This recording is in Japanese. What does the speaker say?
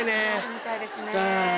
みたいですね。